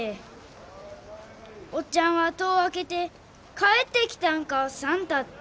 おっちゃんは戸を開けて「帰ってきたんか算太」って。